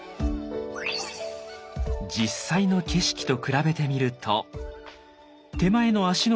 実際の景色と比べてみると手前の芦ノ